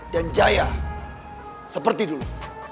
dan jaya seperti dulu